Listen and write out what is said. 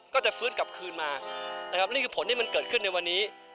ก็จะฟื้นกลับคืนมานะครับนี่คือผลที่มันเกิดขึ้นในวันนี้